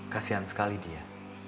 kasian sekali dia